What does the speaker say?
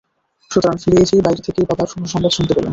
সুতরাং ফিরে এসেই বাইরে থেকেই বাবা শুভসংবাদ শুনতে পেলেন।